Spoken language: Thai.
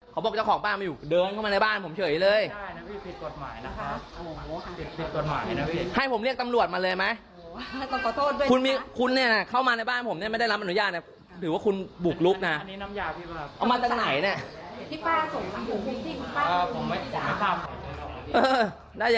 ไม่ต้องขอโทษหรอกครับเนี่ย